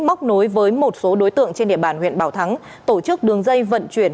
móc nối với một số đối tượng trên địa bàn huyện bảo thắng tổ chức đường dây vận chuyển